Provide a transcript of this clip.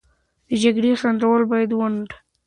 د جګړې خنډونه باید ونډ